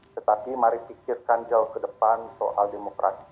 tetapi mari pikirkan jauh ke depan soal demokrasi